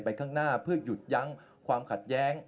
ข้างหน้าเพื่อหยุดยั้งความขัดแย้ง